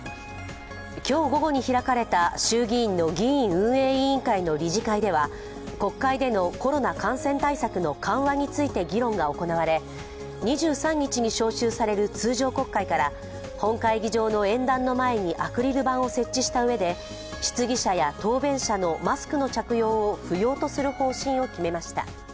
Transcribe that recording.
今日午後に開かれた衆議院の議院運営委員会の理事会では国会でのコロナ感染対策の緩和について議論が行われ２３日に召集される通常国会から本会議場の演壇の前にアクリル板を設置したうえで質疑者や答弁者のマスクの着用を不要とする方針を決めました。